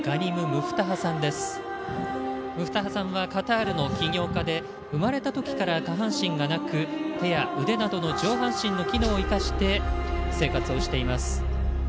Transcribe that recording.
ムフタハさんはカタールの企業家で生まれた時から下半身がなく、手や腕などの上半身の機能を生かして生活をしています。